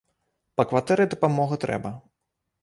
Па кватэры дапамога трэба.